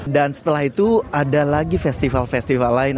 dan setelah itu ada lagi festival festival lain